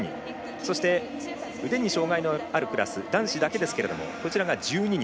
そして、腕に障がいのあるクラス男子だけですけどもこちらが１２人。